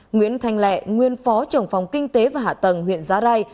nguyễn thanh lẹ nguyên phó trưởng phòng kinh tế và hạ tầng huyện giá rai